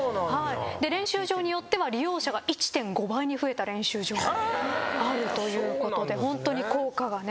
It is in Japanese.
練習場によっては利用者が１．５倍に増えた練習場もあるということでホントに効果がね。